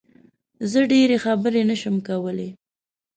زه ډېری خبرې نه شم کولی